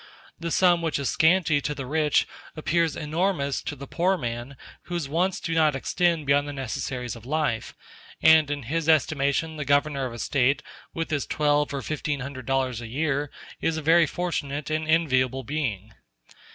The sum which is scanty to the rich appears enormous to the poor man whose wants do not extend beyond the necessaries of life; and in his estimation the Governor of a State, with his twelve or fifteen hundred dollars a year, is a very fortunate and enviable being.